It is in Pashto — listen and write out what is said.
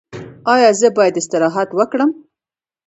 ایا زه باید استراحت وکړم؟